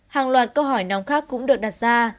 hàng loạt câu hỏi nóng khác cũng được đặt ra